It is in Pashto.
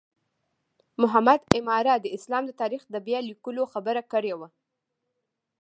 محمد عماره د اسلام د تاریخ د بیا لیکلو خبره کړې وه.